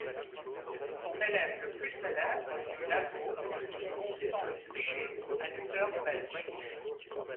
Son élève le plus célèbre fut Lavaux, dit Constant le Boucher, un lutteur belge.